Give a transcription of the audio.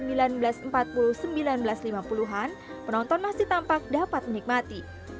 di tahun seribu sembilan ratus empat puluh seribu sembilan ratus lima puluh an penonton masih tampak dapat menikmati